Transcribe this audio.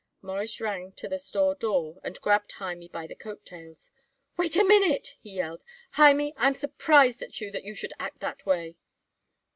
Morris ran to the store door and grabbed Hymie by the coattails. "Wait a minute," he yelled. "Hymie, I'm surprised at you that you should act that way."